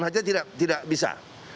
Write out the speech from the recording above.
saja tidak bisa